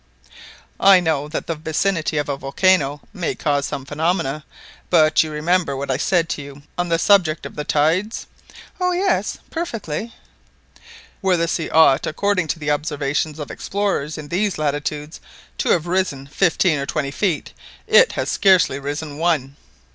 I know that the vicinity of a volcano may cause some phenomena; but you remember what I said to you on the subject of the tides?" "Oh yes, perfectly." "Where the sea ought according to the observations of explorers in these latitudes, to have risen fifteen or twenty feet, it has scarcely risen one